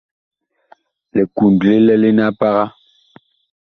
Likund li lɛlene a paga.